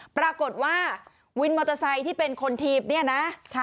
ปรากฏว่าวินมอเตอร์ไซค์ที่เป็นคนถีบเนี่ยนะ